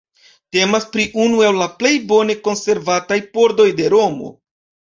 Temas pri unu el la plej bone konservataj pordoj de Romo.